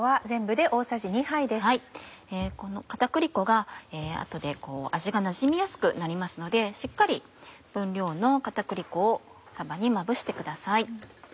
片栗粉が後で味がなじみやすくなりますのでしっかり分量の片栗粉をさばにまぶしてください。